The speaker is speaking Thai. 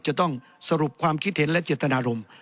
จะต้องสรุปความคิดเห็นและเจตนารมณ์